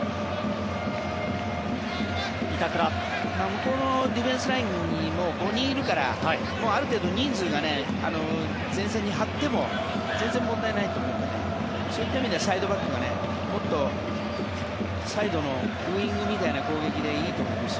向こうのディフェンスラインにも５人いるからある程度、人数が前線に張っても全然問題ないと思うのでそういった意味ではサイドバックがもっとサイドのウィングみたいな攻撃でいいと思います。